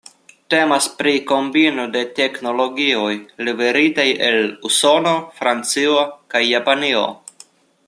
Temas pri kombino de teknologioj liveritaj el Usono, Francio kaj Japanio.